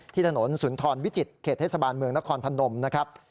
ถนนสุนทรวิจิตเขตเทศบาลเมืองนครพนมนะครับ